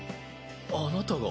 あなたが。